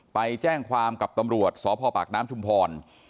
ไปแจ้งความกับตำรวจสพปากน้ำชุมพร